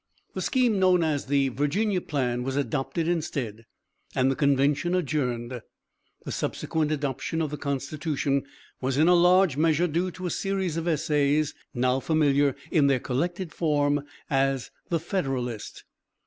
The scheme known as the 'Virginia Plan' was adopted instead, and the convention adjourned. The subsequent adoption of the Constitution was in a large measure due to a series of essays, now familiar in their collected form as "The Federalist."